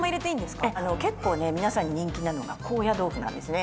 結構ね皆さんに人気なのが高野豆腐なんですね。